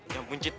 ya ampun cit